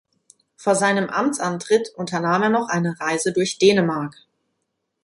Vor seinem Amtsantritt unternahm er noch eine Reise durch Dänemark.